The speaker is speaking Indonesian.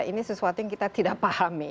ini sesuatu yang kita tidak pahami